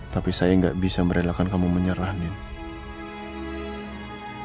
tapi saya gak bisa merelakan kamu menyerah nino